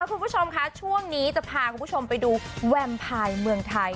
คุณผู้ชมคะช่วงนี้จะพาคุณผู้ชมไปดูแวมพายเมืองไทย